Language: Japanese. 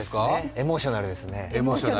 エモーショナルですね。